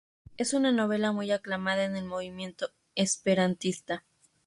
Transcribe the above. Es una novela muy aclamada en el movimiento esperantista.